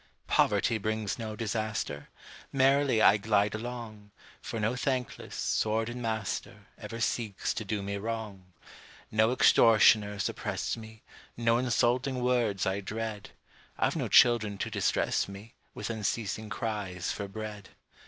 Poverty brings no disaster! Merrily I glide along, For no thankless, sordid master, Ever seeks to do me wrong: No extortioners oppress me, No insulting words I dread I've no children to distress me With unceasing cries for bread.